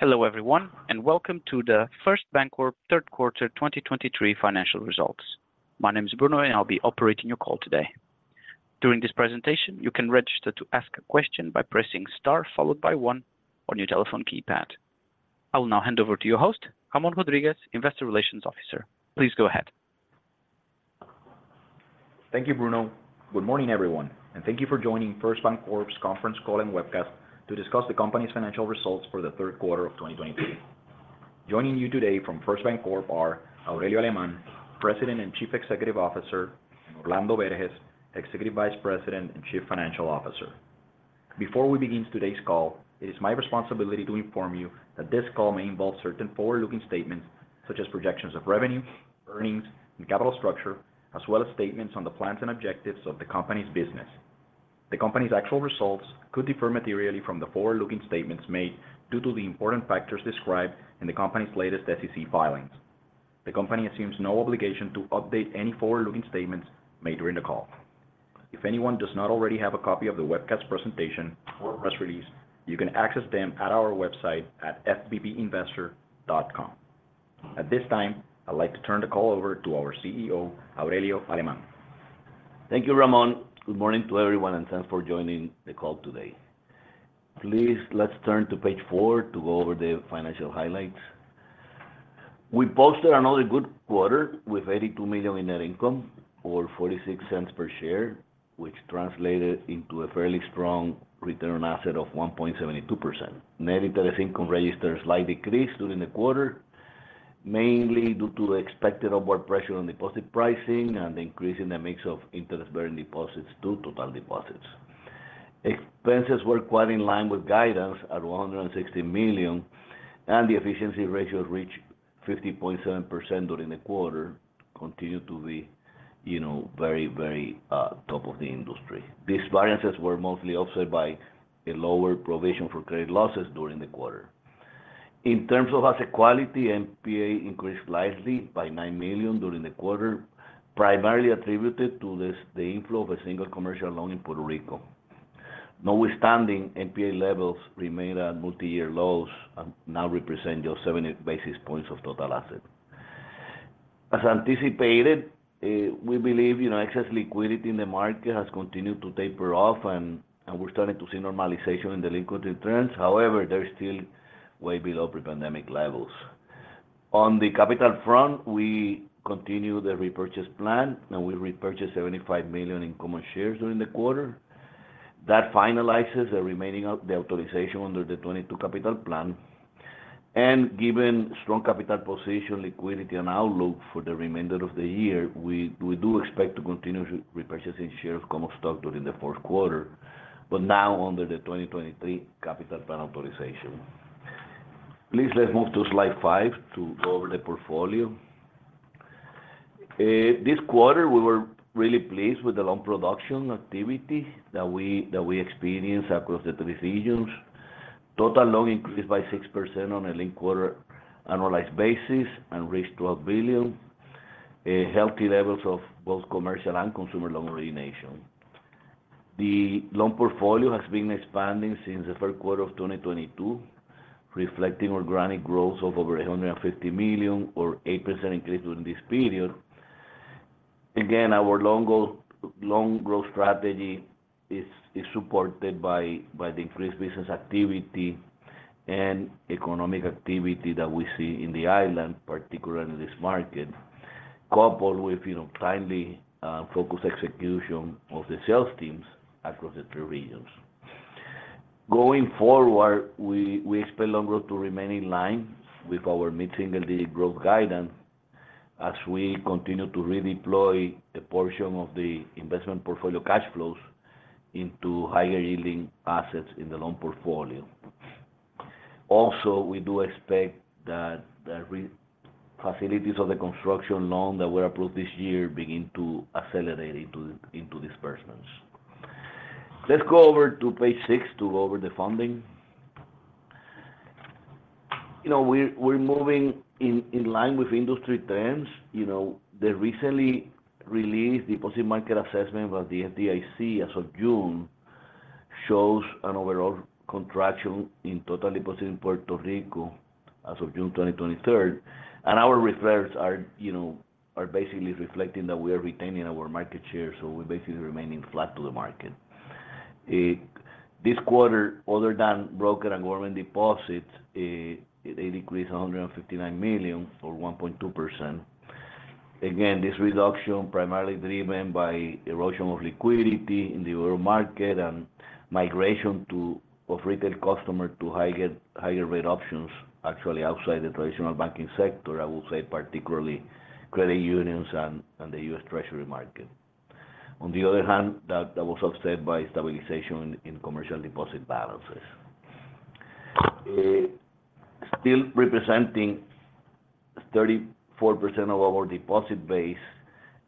Hello, everyone, and welcome to the First BanCorp third quarter 2023 financial results. My name is Bruno, and I'll be operating your call today. During this presentation, you can register to ask a question by pressing star followed by one on your telephone keypad. I will now hand over to your host, Ramón Rodríguez, Investor Relations Officer. Please go ahead. Thank you, Bruno. Good morning, everyone, and thank you for joining First BanCorp's conference call and webcast to discuss the company's financial results for the third quarter of 2023. Joining you today from First BanCorp are Aurelio Alemán, President and Chief Executive Officer, and Orlando Berges, Executive Vice President and Chief Financial Officer. Before we begin today's call, it is my responsibility to inform you that this call may involve certain forward-looking statements such as projections of revenue, earnings, and capital structure, as well as statements on the plans and objectives of the company's business. The company's actual results could differ materially from the forward-looking statements made due to the important factors described in the company's latest SEC filings. The company assumes no obligation to update any forward-looking statements made during the call. If anyone does not already have a copy of the webcast presentation or press release, you can access them at our website at fbbinvestor.com. At this time, I'd like to turn the call over to our CEO, Aurelio Alemán. Thank you, Ramón. Good morning to everyone, and thanks for joining the call today. Please, let's turn to page four to go over the financial highlights. We posted another good quarter with $82 million in net income or $0.46 per share, which translated into a fairly strong return on asset of 1.72%. Net interest income registered a slight decrease during the quarter, mainly due to expected upward pressure on deposit pricing and increase in the mix of interest-bearing deposits to total deposits. Expenses were quite in line with guidance at $160 million, and the efficiency ratio reached 50.7% during the quarter, continued to be, you know, very, very top of the industry. These variances were mostly offset by a lower provision for credit losses during the quarter. In terms of asset quality, NPA increased slightly by $9 million during the quarter, primarily attributed to this, the inflow of a single commercial loan in Puerto Rico. Notwithstanding, NPA levels remain at multi-year lows and now represent just 70 basis points of total asset. As anticipated, we believe, you know, excess liquidity in the market has continued to taper off, and we're starting to see normalization in delinquency trends. However, they're still way below pre-pandemic levels. On the capital front, we continue the repurchase plan, and we repurchased $75 million in common shares during the quarter. That finalizes the remaining of the authorization under the 2022 Capital Plan, and given strong capital position, liquidity, and outlook for the remainder of the year, we do expect to continue to repurchasing shares of common stock during the fourth quarter, but now under the 2023 Capital Plan authorization. Please, let's move to slide five to go over the portfolio. This quarter, we were really pleased with the loan production activity that we experienced across the three regions. Total loans increased by 6% on a linked-quarter annualized basis and reached $12 billion, a healthy levels of both commercial and consumer loan origination. The loan portfolio has been expanding since the first quarter of 2022, reflecting organic growth of over $150 million or 8% increase during this period. Again, our loan growth strategy is supported by the increased business activity and economic activity that we see in the island, particularly in this market, coupled with, you know, timely, focused execution of the sales teams across the three regions. Going forward, we expect loan growth to remain in line with our mid-single-digit growth guidance as we continue to redeploy a portion of the investment portfolio cash flows into higher-yielding assets in the loan portfolio. Also, we do expect that the facilities of the construction loan that were approved this year begin to accelerate into disbursements. Let's go over to page six to go over the funding. You know, we're moving in line with industry trends. You know, the recently released deposit market assessment by the FDIC as of June shows an overall contraction in total deposit in Puerto Rico as of June 2023. Our reserves are, you know, basically reflecting that we are retaining our market share, so we're basically remaining flat to the market. This quarter, other than broker and government deposits, they decreased $159 million or 1.2%. Again, this reduction primarily driven by erosion of liquidity in the overall market and migration of retail customers to higher rate options, actually outside the traditional banking sector, I would say particularly credit unions and the U.S. Treasury market. On the other hand, that was offset by stabilization in commercial deposit balances. Still representing 34% of our deposit base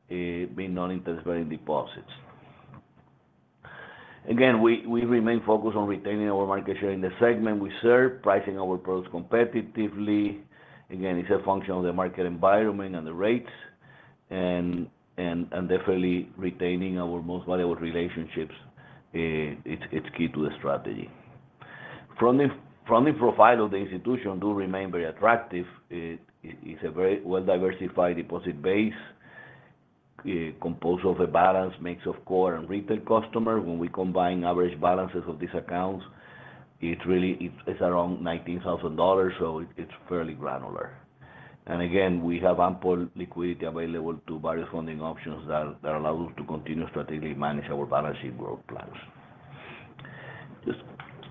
being non-interest-bearing deposits. Again, we remain focused on retaining our market share in the segment we serve, pricing our products competitively. Again, it's a function of the market environment and the rates and definitely retaining our most valuable relationships. It's key to the strategy. From the profile of the institution, do remain very attractive. It is a very well-diversified deposit base composed of a balanced mix of core and retail customer. When we combine average balances of these accounts, it really, it's around $19,000, so it's fairly granular. Again, we have ample liquidity available to various funding options that allow us to continue to strategically manage our balance sheet growth plans. Just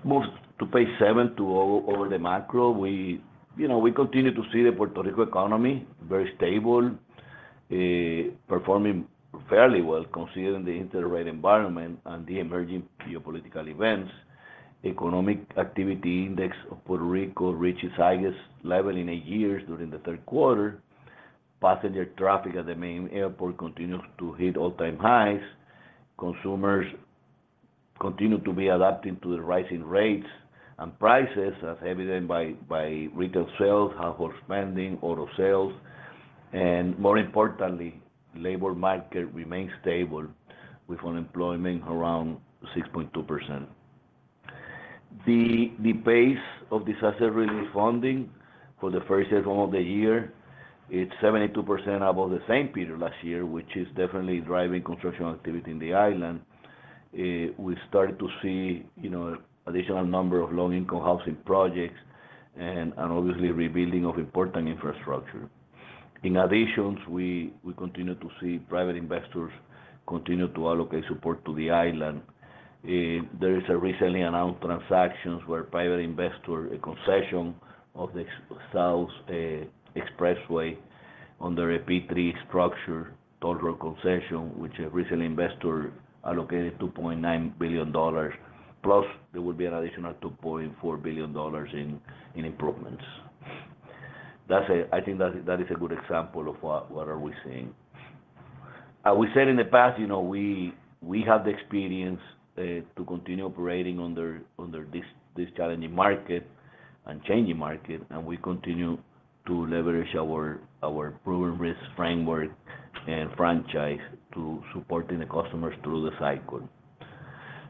move to page seven to over the macro. We, you know, we continue to see the Puerto Rico economy very stable, performing fairly well, considering the interest rate environment and the emerging geopolitical events. Economic Activity Index of Puerto Rico reaches highest level in eight years during the third quarter. Passenger traffic at the main airport continues to hit all-time highs. Consumers continue to be adapting to the rising rates and prices, as evidenced by retail sales, household spending, auto sales, and more importantly, labor market remains stable with unemployment around 6.2%. The pace of disaster relief funding for the first half of the year, it's 72% above the same period last year, which is definitely driving construction activity in the island. We started to see, you know, additional number of low-income housing projects and obviously, rebuilding of important infrastructure. In addition, we continue to see private investors continue to allocate support to the island. There is a recently announced transactions where private investor, a concession of the South Expressway under a P3 structure, toll road concession, which a recent investor allocated $2.9 billion, plus there will be an additional $2.4 billion in improvements. I think that is a good example of what are we seeing. As we said in the past, you know, we have the experience to continue operating under this challenging market and changing market, and we continue to leverage our proven risk framework and franchise to supporting the customers through the cycle.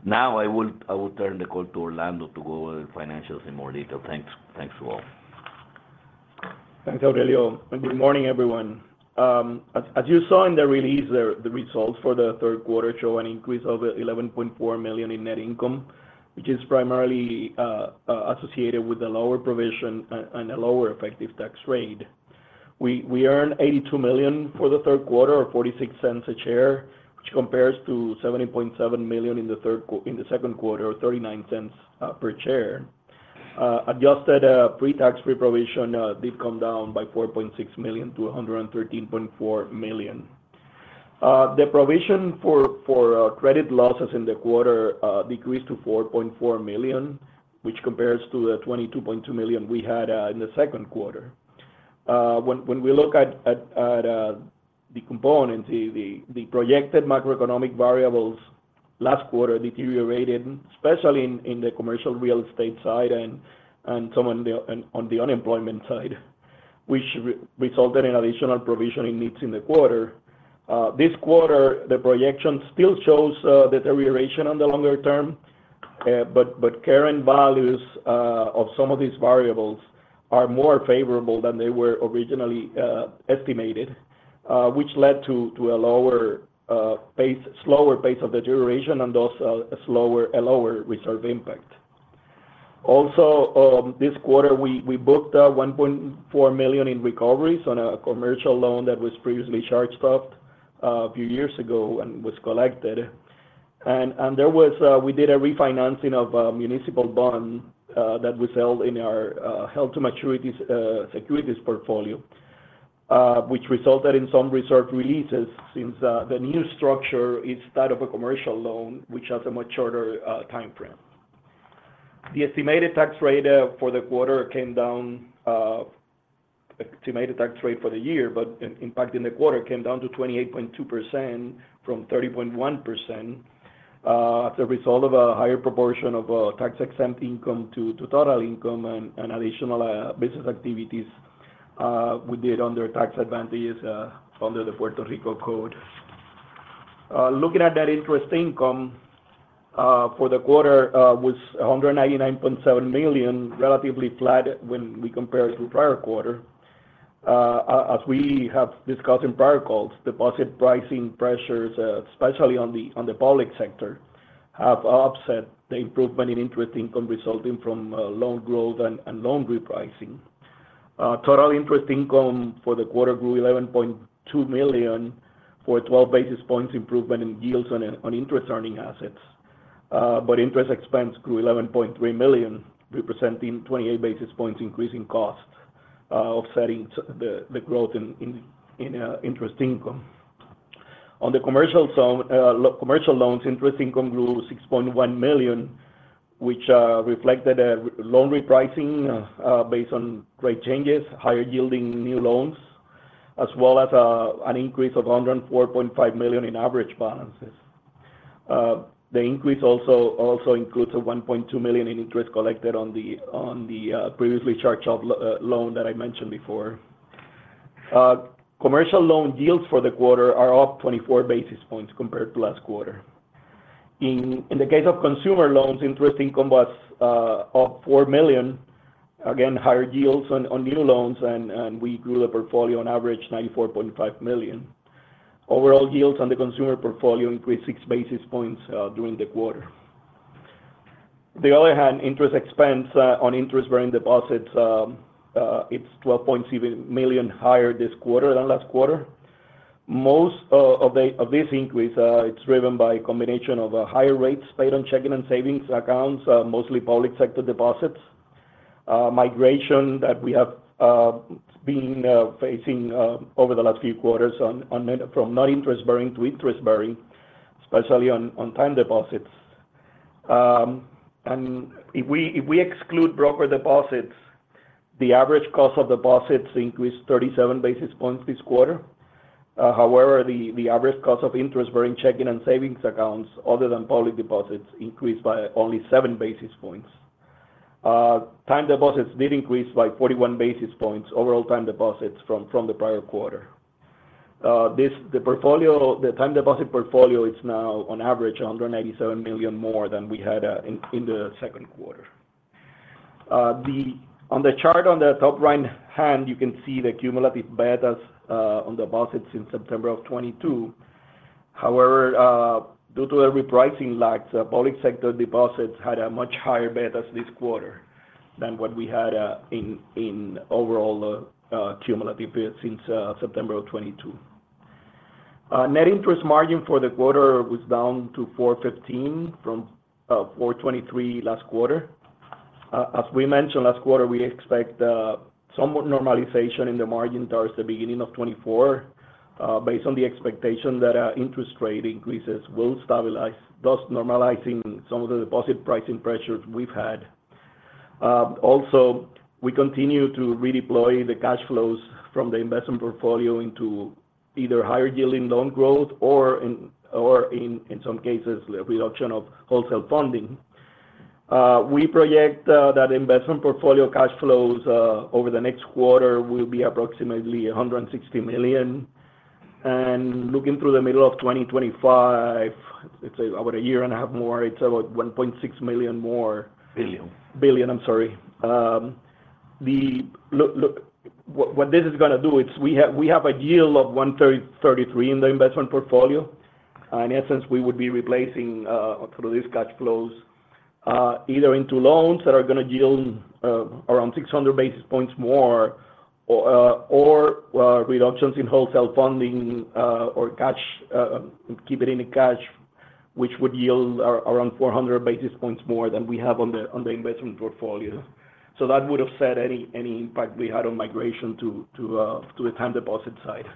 Now, I will turn the call to Orlando to go over the financials in more detail. Thanks. Thanks to all. Thanks, Aurelio, and good morning, everyone. As you saw in the release there, the results for the third quarter show an increase of $11.4 million in net income, which is primarily associated with a lower provision and a lower effective tax rate. We earned $82 million for the third quarter, or $0.46 a share, which compares to $70.7 million in the second quarter, or $0.39 per share. Adjusted pre-tax provision did come down by $4.6 million to $113.4 million. The provision for credit losses in the quarter decreased to $4.4 million, which compares to the $22.2 million we had in the second quarter. When we look at the components, the projected macroeconomic variables last quarter deteriorated, especially in the commercial real estate side and some on the unemployment side, which resulted in additional provisioning needs in the quarter. This quarter, the projection still shows that deterioration on the longer term, but current values of some of these variables are more favorable than they were originally estimated, which led to a lower pace, slower pace of deterioration and also a slower, a lower reserve impact. Also, this quarter, we booked $1.4 million in recoveries on a commercial loan that was previously charged off a few years ago and was collected. There was... We did a refinancing of a municipal bond that was held in our held-to-maturities securities portfolio, which resulted in some reserve releases since the new structure is that of a commercial loan, which has a much shorter time frame. The estimated tax rate for the quarter came down, estimated tax rate for the year, but impact in the quarter came down to 28.2% from 30.1% as a result of a higher proportion of tax-exempt income to total income and additional business activities we did under tax advantages under the Puerto Rico Code. Looking at that interest income for the quarter was $199.7 million, relatively flat when we compare to the prior quarter. As we have discussed in prior calls, deposit pricing pressures, especially on the public sector, have offset the improvement in interest income resulting from loan growth and loan repricing. Total interest income for the quarter grew $11.2 million for a 12 basis points improvement in yields on interest-earning assets. Interest expense grew $11.3 million, representing 28 basis points increase in costs, offsetting the growth in interest income. On the commercial zone, commercial loans, interest income grew $6.1 million, which reflected a loan repricing based on rate changes, higher yielding new loans, as well as an increase of $104.5 million in average balances. The increase also includes $1.2 million in interest collected on the previously charged-off loan that I mentioned before. Commercial loan yields for the quarter are up 24 basis points compared to last quarter. In the case of consumer loans, interest income was up $4 million. Again, higher yields on new loans, and we grew the portfolio on average $94.5 million. Overall yields on the consumer portfolio increased six basis points during the quarter. On the other hand, interest expense on interest-bearing deposits, it's $12.7 million higher this quarter than last quarter. Most of this increase, it's driven by a combination of higher rates paid on checking and savings accounts, mostly public sector deposits. Migration that we have been facing over the last few quarters from non-interest-bearing to interest-bearing, especially on time deposits. If we exclude broker deposits, the average cost of deposits increased 37 basis points this quarter. However, the average cost of interest-bearing checking and savings accounts, other than public deposits, increased by only 7 basis points. Time deposits did increase by 41 basis points, overall time deposits from the prior quarter. The time deposit portfolio is now on average $187 million more than we had in the second quarter. On the chart on the top right hand, you can see the cumulative betas on deposits since September of 2022. However, due to a repricing lag, public sector deposits had a much higher betas this quarter than what we had in overall cumulative beta since September of 2022. Net interest margin for the quarter was down to 4.15 from 4.23 last quarter. As we mentioned last quarter, we expect somewhat normalization in the margin towards the beginning of 2024, based on the expectation that our interest rate increases will stabilize, thus normalizing some of the deposit pricing pressures we've had. Also, we continue to redeploy the cash flows from the investment portfolio into either higher-yielding loan growth or in some cases, a reduction of wholesale funding. We project that investment portfolio cash flows over the next quarter will be approximately $160 million. Looking through the middle of 2025, it's about a year and a half more, it's about $1.6 million more. Billion. Billion, I'm sorry. Look, what this is gonna do is we have a yield of 1.33% in the investment portfolio. In essence, we would be replacing through these cash flows either into loans that are gonna yield around 600 basis points more or reductions in wholesale funding or cash, keep it in the cash, which would yield around 400 basis points more than we have on the investment portfolio. That would offset any impact we had on migration to the time deposit side.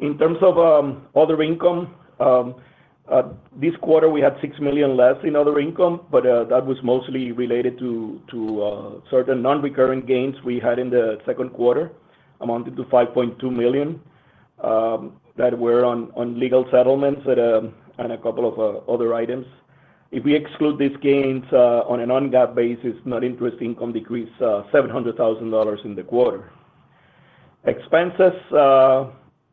In terms of other income, this quarter, we had $6 million less in other income, but that was mostly related to certain non-recurring gains we had in the second quarter, amounted to $5.2 million, that were on legal settlements and a couple of other items. If we exclude these gains, on a non-GAAP basis, net interest income decreased $700,000 in the quarter. Expenses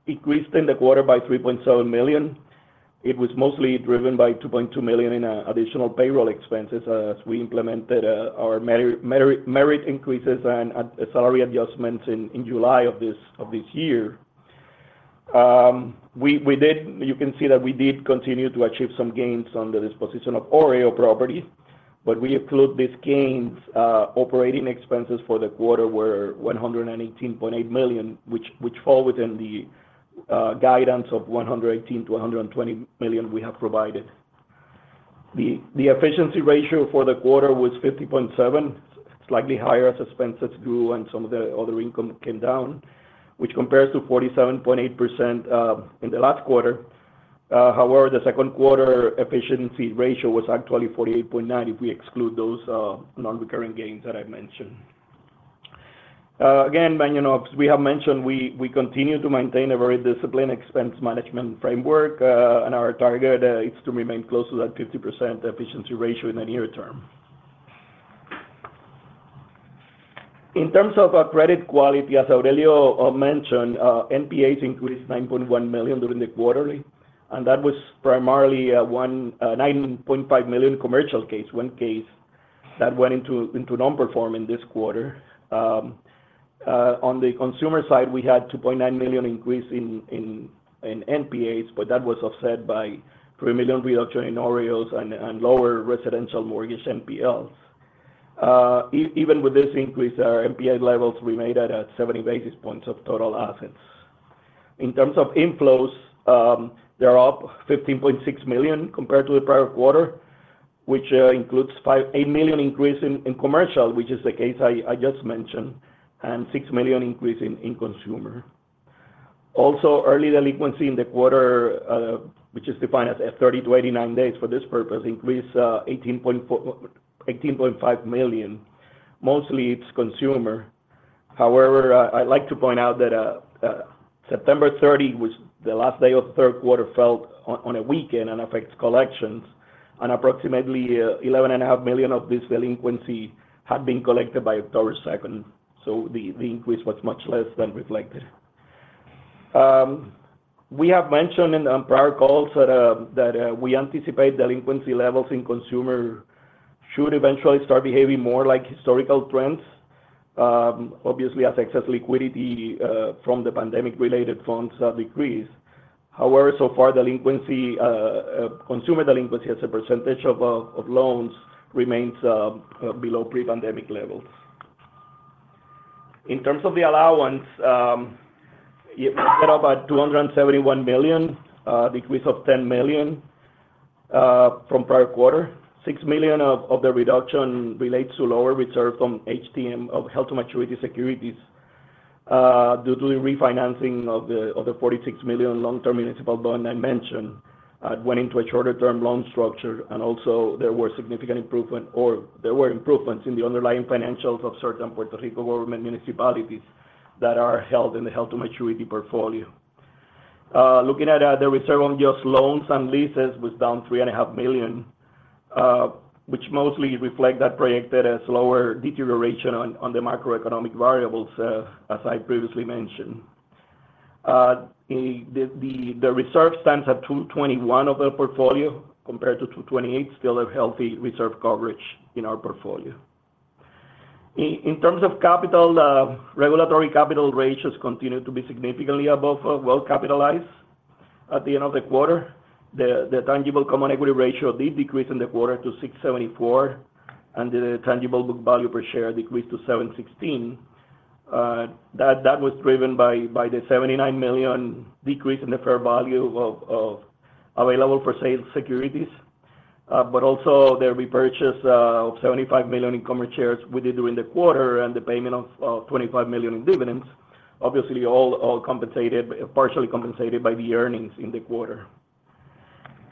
increased in the quarter by $3.7 million. It was mostly driven by $2.2 million in additional payroll expenses, as we implemented our merit increases and salary adjustments in July of this year. You can see that we did continue to achieve some gains on the disposition of OREO properties, but if we exclude these gains, operating expenses for the quarter were $118.8 million, which fall within the guidance of $118 million-$120 million we have provided. The efficiency ratio for the quarter was 50.7%, slightly higher as expenses grew and some of the other income came down, which compares to 47.8% in the last quarter. However, the second quarter efficiency ratio was actually 48.9% if we exclude those non-recurring gains that I mentioned. Again, you know, as we have mentioned, we continue to maintain a very disciplined expense management framework, and our target is to remain close to that 50% efficiency ratio in the near term. In terms of our credit quality, as Aurelio mentioned, NPAs increased $9.1$ million during the quarterly, and that was primarily $9.5$ million commercial case, one case that went into non-performing this quarter. On the consumer side, we had $2.9$ million increase in NPAs, but that was offset by $3$ million reduction in OREOs and lower residential mortgage NPLs. Even with this increase, our NPA levels remained at 70 basis points of total assets. In terms of inflows, they are up $15.6 million compared to the prior quarter, which includes $8 million increase in commercial, which is the case I just mentioned, and $6 million increase in consumer. Also, early delinquency in the quarter, which is defined as 30-89 days for this purpose, increased $18.5 million. Mostly, it's consumer. However, I'd like to point out that September 30, which the last day of third quarter, fell on a weekend and affects collections, and approximately $11.5 million of this delinquency had been collected by October 2nd, so the increase was much less than reflected. We have mentioned in the prior calls that we anticipate delinquency levels in consumer should eventually start behaving more like historical trends. Obviously, as excess liquidity from the pandemic-related funds decrease. However, so far, consumer delinquency as a percentage of loans remains below pre-pandemic levels. In terms of the allowance, it was at about $271 million, decrease of $10 million from prior quarter. $6 million of the reduction relates to lower reserve from HTM, of held-to-maturity securities, due to the refinancing of the $46 million long-term municipal loan I mentioned went into a shorter-term loan structure, and also there were significant improvement or there were improvements in the underlying financials of certain Puerto Rico government municipalities that are held in the held-to-maturity portfolio. Looking at the reserve on just loans and leases was down $3.5 million, which mostly reflect that projected a slower deterioration on the macroeconomic variables, as I previously mentioned. The reserve stands at 2.21 of the portfolio, compared to 2.28. Still a healthy reserve coverage in our portfolio. In terms of capital, regulatory capital ratios continue to be significantly above well-capitalized at the end of the quarter. The tangible common equity ratio did decrease in the quarter to 6.74, and the tangible book value per share decreased to $7.16. That was driven by the $79 million decrease in the fair value of available-for-sale securities. Also the repurchase of $75 million in common shares we did during the quarter, and the payment of $25 million in dividends. Obviously, all compensated, partially compensated by the earnings in the quarter.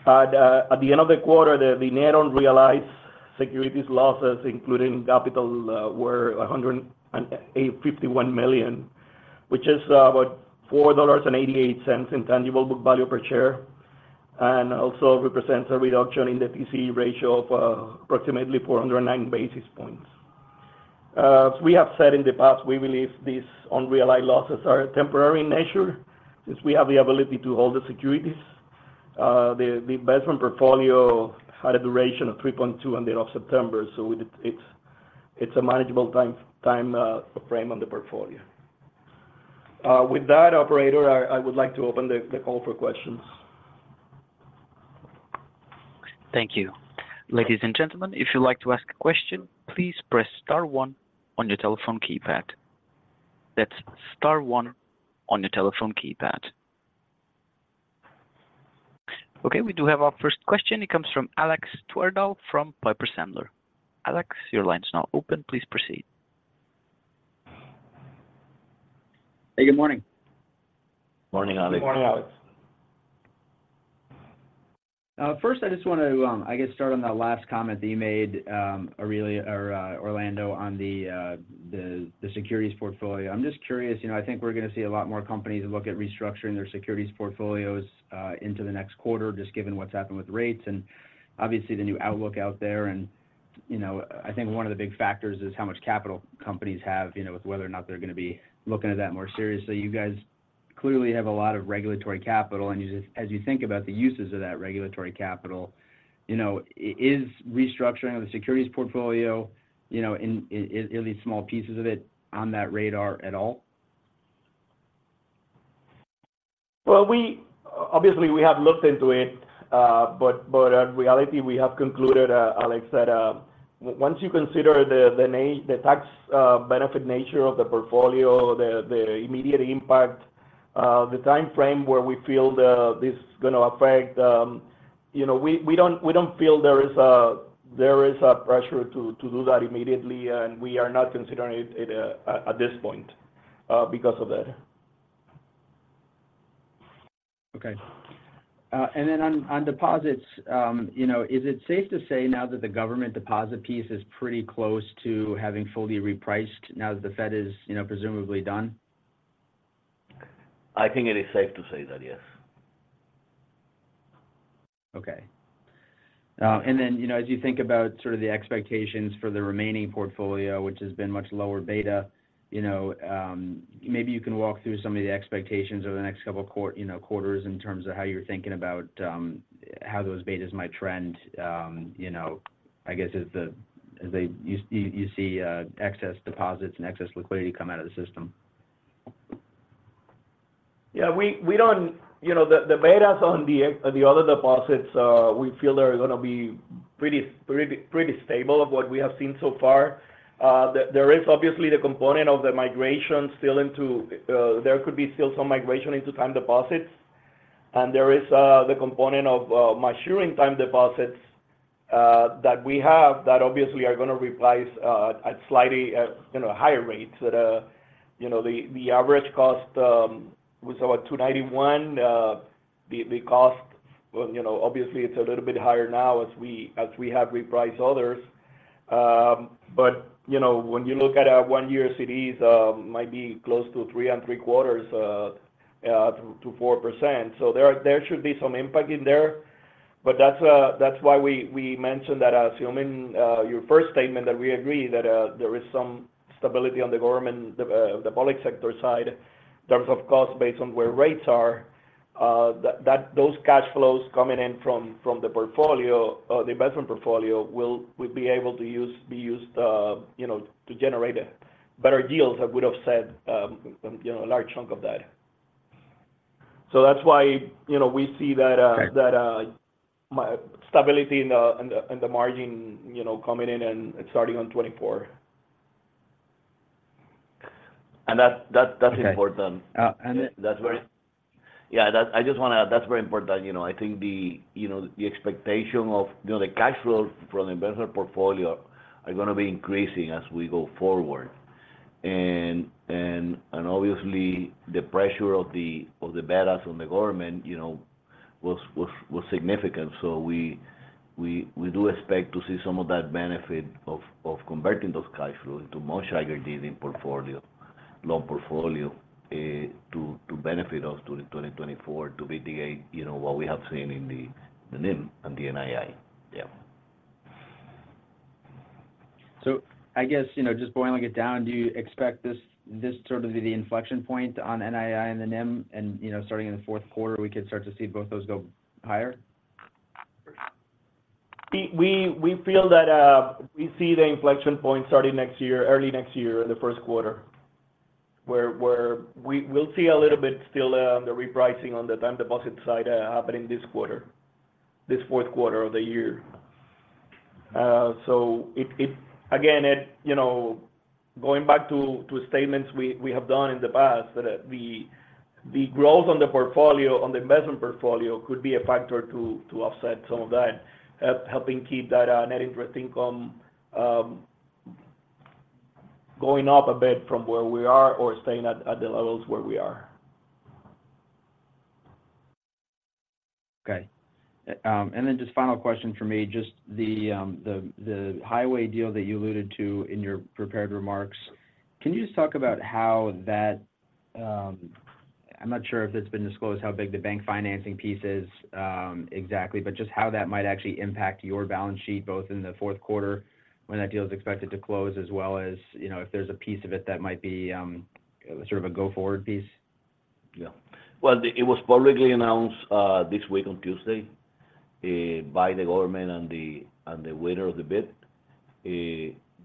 At the end of the quarter, the net unrealized securities losses, including capital, were $151 million, which is about $4.88 in tangible book value per share, and also represents a reduction in the TCE ratio of approximately 409 basis points. As we have said in the past, we believe these unrealized losses are temporary in nature, since we have the ability to hold the securities. The investment portfolio had a duration of 3.2 on the end of September, so it's a manageable timeframe on the portfolio. With that, operator, I would like to open the call for questions. Thank you. Ladies and gentlemen, if you'd like to ask a question, please press star one on your telephone keypad. That's star one on your telephone keypad. Okay, we do have our first question. It comes from Alex Twerdahl from Piper Sandler. Alex, your line is now open. Please proceed. Hey, good morning. Morning, Alex. Good morning, Alex. First, I just want to, I guess, start on that last comment that you made, Aurelio or Orlando, on the securities portfolio. I'm just curious, you know, I think we're gonna see a lot more companies look at restructuring their securities portfolios into the next quarter, just given what's happened with rates and obviously the new outlook out there. You know, I think one of the big factors is how much capital companies have, you know, with whether or not they're gonna be looking at that more seriously. You guys clearly have a lot of regulatory capital, and as you think about the uses of that regulatory capital, you know, is restructuring of the securities portfolio, you know, in at least small pieces of it, on that radar at all? Well, obviously, we have looked into it. In reality, we have concluded, Alex, that once you consider the tax benefit nature of the portfolio, the immediate impact, the time frame where we feel this is gonna affect. You know, we don't feel there is a pressure to do that immediately, and we are not considering it at this point because of that. Okay. On deposits, you know, is it safe to say now that the government deposit piece is pretty close to having fully repriced now that the Fed is, you know, presumably done? I think it is safe to say that, yes. Okay. You know, as you think about sort of the expectations for the remaining portfolio, which has been much lower beta, you know, maybe you can walk through some of the expectations over the next couple of, you know, quarters in terms of how you're thinking about how those betas might trend, you know, I guess as you see excess deposits and excess liquidity come out of the system? Yeah, we, we don't. You know, the, the betas on the other deposits, we feel they're gonna be pretty, pretty, pretty stable of what we have seen so far. There, there is obviously the component of the migration still into, there could be still some migration into time deposits, and there is the component of maturing time deposits that we have that obviously are gonna reprice at slightly, you know, higher rates. At, you know, the, the average cost was about 2.91. The, the cost. Well, you know, obviously, it's a little bit higher now as we, as we have repriced others. But, you know, when you look at our one-year CDs, might be close to 3.75%-4%. There should be some impact in there, but that's why we mentioned that, assuming your first statement, that we agree that there is some stability on the government, the public sector side, in terms of cost, based on where rates are. That those cash flows coming in from the portfolio, the investment portfolio, will be able to be used, you know, to generate better deals that would have offset, you know, a large chunk of that. That's why, you know, we see that. Okay That stability in the margin, you know, coming in and starting on 2024. That's important. Okay. I just wanna add, that's very important that, you know, I think the, you know, the expectation of, you know, the cash flow from the investment portfolio are gonna be increasing as we go forward. Obviously, the pressure of the betas on the government, you know, was significant. We do expect to see some of that benefit of converting those cash flows into much higher yielding portfolio, loan portfolio, to benefit us through the 2024, to mitigate, you know, what we have seen in the NIM and the NII. Yeah. I guess, you know, just boiling it down, do you expect this sort of be the inflection point on NII and the NIM, and, you know, starting in the fourth quarter, we could start to see both those go higher? We feel that we see the inflection point starting next year, early next year, in the first quarter, where we'll see a little bit still on the repricing on the time deposit side happening this quarter, this fourth quarter of the year. Again, you know, going back to statements we have done in the past, that the growth on the portfolio, on the investment portfolio, could be a factor to offset some of that helping keep that net interest income going up a bit from where we are or staying at the levels where we are. Okay. Just final question for me, just the highway deal that you alluded to in your prepared remarks, can you just talk about how that, I'm not sure if it's been disclosed, how big the bank financing piece is exactly, but just how that might actually impact your balance sheet, both in the fourth quarter, when that deal is expected to close, as well as, you know, if there's a piece of it that might be sort of a go-forward piece? Yeah. Well, it was publicly announced this week on Tuesday by the government and the winner of the bid.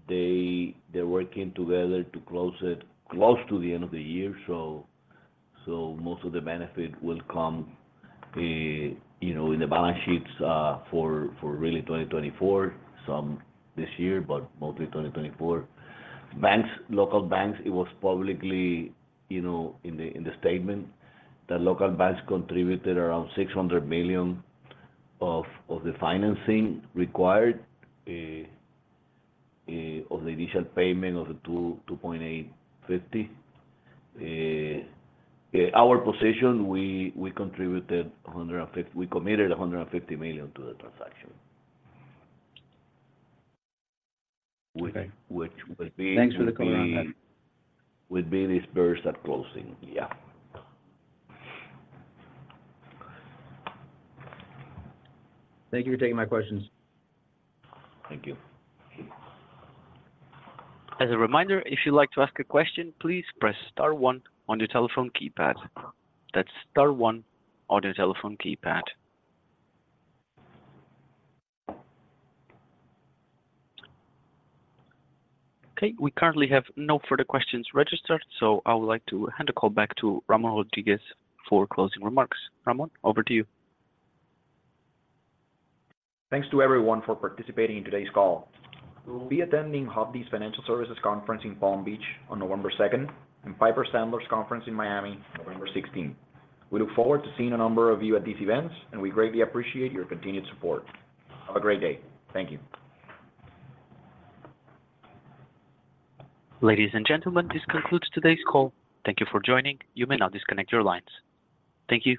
They're working together to close it close to the end of the year, so most of the benefit will come, you know, in the balance sheets for really 2024, some this year, but mostly 2024. Banks, local banks, it was publicly, you know, in the statement, that local banks contributed around $600 million of the financing required of the initial payment of the $2.85 billion. Our position, we committed $150 million to the transaction. Okay. Which will be. Thanks for the color on that. Will be disbursed at closing. Yeah. Thank you for taking my questions. Thank you. As a reminder, if you'd like to ask a question, please press star one on your telephone keypad. That's star one on your telephone keypad. Okay, we currently have no further questions registered, so I would like to hand the call back to Ramón Rodríguez for closing remarks. Ramón, over to you. Thanks to everyone for participating in today's call. We will be attending Hovde's Financial Services Conference in Palm Beach on November 2nd, and Piper Sandler's conference in Miami, November 16th. We look forward to seeing a number of you at these events, and we greatly appreciate your continued support. Have a great day. Thank you. Ladies and gentlemen, this concludes today's call. Thank you for joining. You may now disconnect your lines. Thank you.